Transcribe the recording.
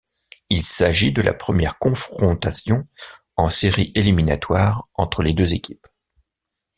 Il s'agit de la première confrontation en séries éliminatoires entre les deux équipes.